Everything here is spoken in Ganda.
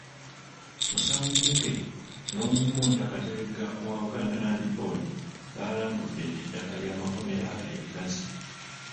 Musawo Muge n'Omupunta Kateregga owa Buganda Land Board baalambudde ettaka ly'amakomera e Lugazi.